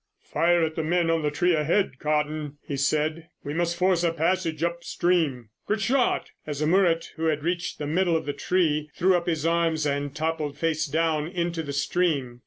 "Fire at the men on the tree ahead, Cotton," he said. "We must force a passage up stream.... Good shot!" as a Murut who had reached the middle of the tree threw up his arms and toppled face down into the stream.